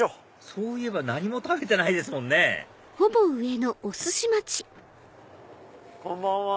そういえば何も食べてないですもんねこんばんは。